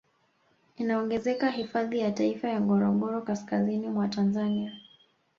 Inaongezeka hifadhi ya taifa ya Ngorongoro kaskazini mwa Tanzania